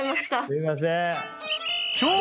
すいません。